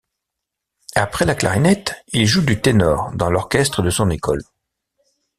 Après la clarinette, il joue du ténor dans l'orchestre de son école.